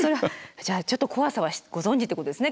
じゃあちょっと怖さはご存じっていうことですね